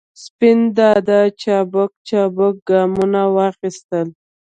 سپین دادا چابک چابک ګامونه واخستل.